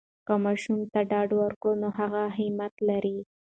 که ماشوم ته ډاډ ورکړو، نو هغه همت لری.